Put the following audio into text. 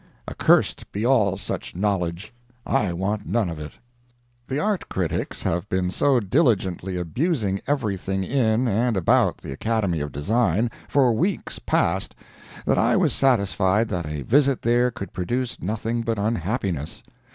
Accursed be all such knowledge. I want none of it. The art critics have been so diligently abusing everything in and about the Academy of Design, for weeks past, that I was satisfied that a visit there could produce nothing but unhappiness.